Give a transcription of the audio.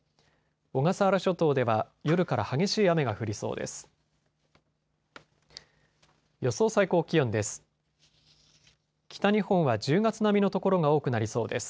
小笠原諸島では夜から激しい雨が降りそうです。